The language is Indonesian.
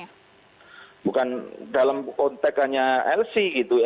ya ini terjadi karena dalam konteksnya lc gitu